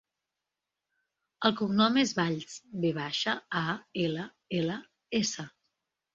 El cognom és Valls: ve baixa, a, ela, ela, essa.